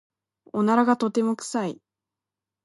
おならがとても臭い。